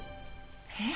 えっ？